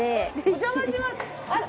お邪魔します！